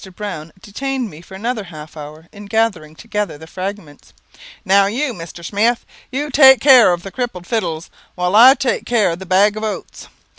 Browne detained me for another half hour, in gathering together the fragments. "Now you, Mr. Smith, you take care of the crippled fiddles, while I take care of the bag of oats.